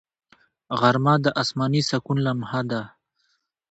غرمه د آسماني سکون لمحه ده